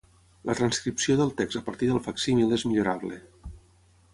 La transcripció del text a partir del facsímil és millorable.